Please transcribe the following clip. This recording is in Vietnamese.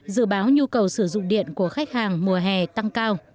dự báo nhu cầu sử dụng điện của khách hàng mùa hè tăng cao